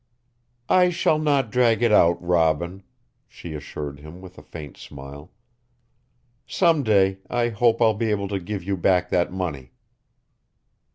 "I shall not drag it out, Robin," she assured him with a faint smile. "Some day I hope I'll be able to give you back that money."